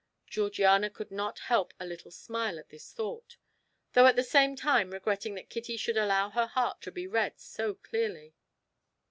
Georgiana could not help a little smile at this thought, though at the same time regretting that Kitty should allow her heart to be read so clearly.